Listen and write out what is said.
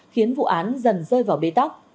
khiến vụ án dần rơi vào bê tóc